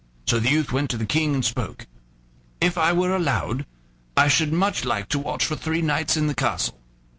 So the youth went to the King and spoke: "If I were allowed, I should much like to watch for three nights in the castle."